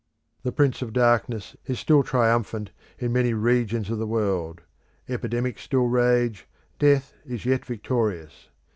The Prince of Darkness is still triumphant in many regions of the world; epidemics still rage, death is yet victorious.